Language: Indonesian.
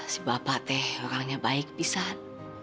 si bapak teh orangnya baik pisan